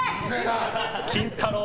キンタロー。